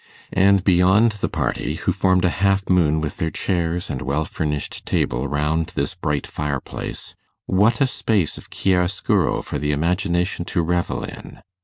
And beyond the party, who formed a half moon with their chairs and well furnished table round this bright fireplace, what a space of chiaroscuro for the imagination to revel in!